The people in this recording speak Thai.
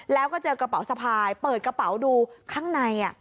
แล้วก็เจอกระเป๋าสะพายเปิดกระเป๋าดูข้างใน